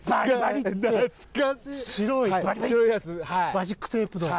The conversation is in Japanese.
マジックテープの。